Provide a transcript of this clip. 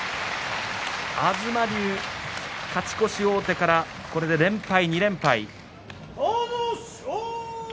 東龍勝ち越し王手からこれで連敗。